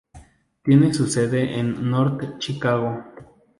Tiene su sede en North Chicago.